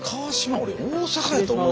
俺大阪やと思うてたな。